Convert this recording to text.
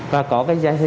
và có cái giải sử